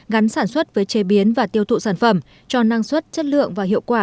gắn sản xuất với chế biến và tiêu thụ sản phẩm cho năng suất chất lượng và hiệu quả